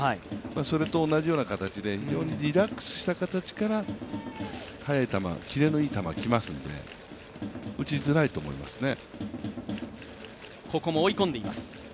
それと同じような形で非常にリラックスした形から速い球、キレのある球が来ますので打ちづらいと思いますね。